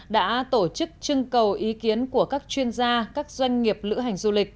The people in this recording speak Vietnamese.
đã tổ chức trưng cầu ý kiến của các chuyên gia các doanh nghiệp lữ hành du lịch